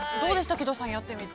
木戸さんやってみて。